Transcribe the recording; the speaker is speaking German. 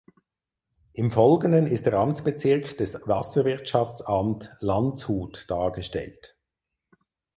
Im Folgenden ist der Amtsbezirk des Wasserwirtschaftsamt Landshut dargestellt.